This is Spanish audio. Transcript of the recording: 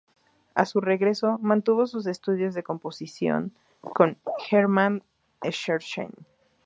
A su regreso mantuvo sus estudios de composición con Hermann Scherchen.